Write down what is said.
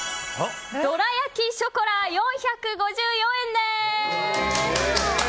どら焼きショコラ、４５４円です。